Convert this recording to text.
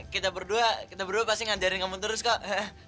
kita berdua pasti ngajarin kamu terus kok